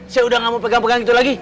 saya udah gak mau pegang pegang itu lagi